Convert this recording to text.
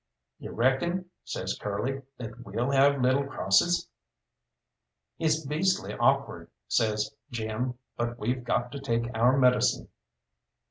"You reckon," says Curly, "that we'll have little crosses?" "It's beastly awkward," says Jim, "but we've got to take our medicine."